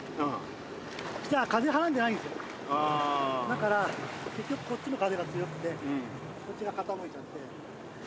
だから結局こっちの風が強くてこっちが傾いちゃって。